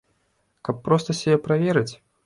Каб проста сябе праверыць?